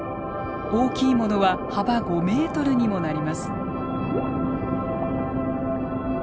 大きいものは幅５ｍにもなります。